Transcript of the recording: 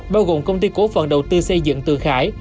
bao gồm công ty cổ phần đầu tư xây dựng từ khải